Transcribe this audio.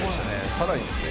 「さらにですね